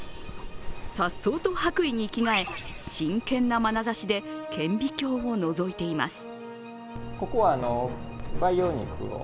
さっそうと白衣に着替え、真剣なまなざしで顕微鏡をのぞいています。